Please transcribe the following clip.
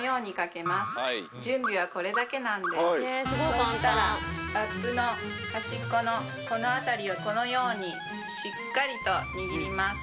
そうしたらラップの端っこのこの辺りをこのようにしっかりと握ります。